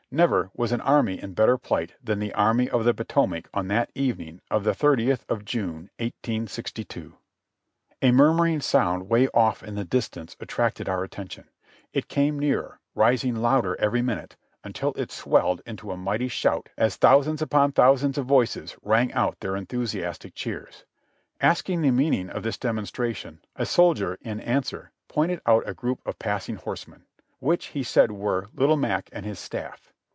Never was an army in better plight than the Army of the Potomac on that evening of the thirtieth of June. 1862. A murmuring sound way off in the distance attracted our at tention; it came nearer, rising louder every minute, until it swelled into a mighty shout as thousands upon thousands of voices rang out their enthusiastic cheers. Asking the meaning of this demonstration, a soldier, in answer, pointed out a group of passing horsemen, which he said were "Little Mac" and his stafif.